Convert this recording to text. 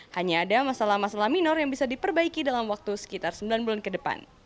hanya ada masalah masalah minor yang bisa diperbaiki dalam waktu sekitar sembilan bulan ke depan